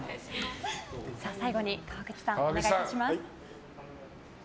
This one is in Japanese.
最後に川口さん、お願いします。